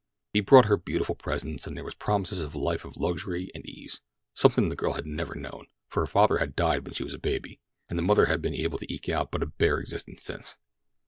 He brought her beautiful presents, and there were promises of a life of luxury and ease—something the girl had never known, for her father had died when she was a baby, and the mother had been able to eke out but a bare existence since.